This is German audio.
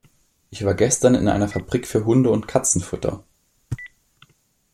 Ich war gestern in einer Fabrik für Hunde- und Katzenfutter.